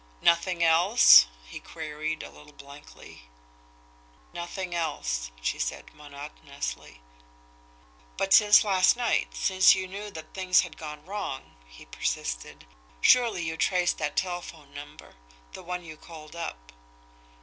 "Nothing else?" he queried, a little blankly. "Nothing else," she said monotonously. "But since last night, since you knew that things had gone wrong," he persisted, "surely you traced that telephone number the one you called up?"